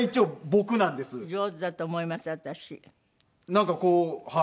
なんかこうはい。